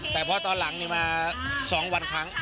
แต่พอตอนหลังนี่มา๒วันครั้ง